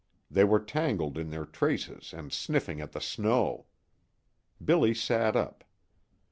They were tangled in their traces and sniffing at the snow. Billy sat up.